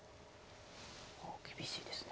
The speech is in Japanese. あっ厳しいですね。